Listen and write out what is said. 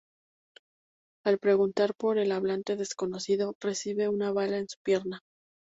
Al preguntar por el hablante desconocido, recibe una bala en su pierna.